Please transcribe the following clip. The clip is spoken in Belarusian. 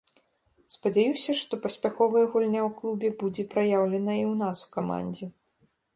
Спадзяюся, што паспяховая гульня ў клубе будзе праяўлена і ў нас у камандзе.